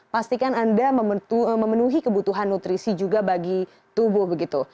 pastikan anda memenuhi kebutuhan nutrisi juga bagi tubuh begitu